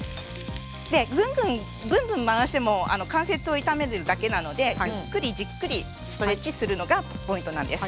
ブンブン回しても関節を痛めるだけなのでゆっくりじっくりストレッチするのがポイントなんです。